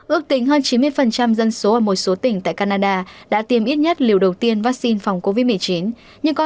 ước tính hơn chín mươi dân số ở mỗi số tỉnh tại canada đã tiêm ít nhất liều đầu tiên vaccine phòng covid một mươi chín